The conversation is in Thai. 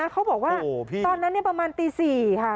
เขาบอกว่าตอนนั้นประมาณตี๔ค่ะ